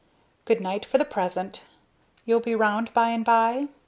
Good night for the present; you'll be round by and by?"